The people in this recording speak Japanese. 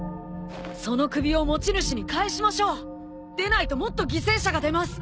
その首を持ち主に返しましょう！でないともっと犠牲者が出ます！